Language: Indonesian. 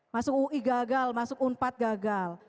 masuk ui gagal masuk unpad gagal